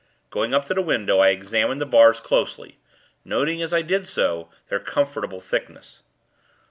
Going up to the window, I examined the bars, closely; noting, as I did so, their comfortable thickness.